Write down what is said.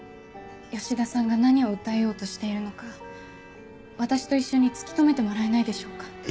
吉田さんが何を訴えようとしているのか私と一緒に突き止めてもらえないでしょうか。